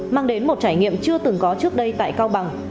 mang đến một trải nghiệm chưa từng có trước đây tại cao bằng